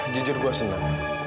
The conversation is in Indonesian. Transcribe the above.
jujur gue senang